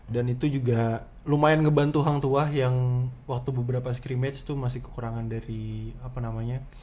dan itu juga lumayan ngebantu hang tuah yang waktu beberapa scrimmage itu masih kekurangan dari apa namanya